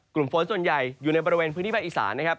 กลุ่มฝนส่วนใหญ่อยู่ในบริเวณพื้นที่ภาคอีสานนะครับ